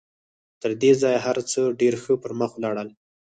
تر دې ځايه هر څه ډېر ښه پر مخ ولاړل.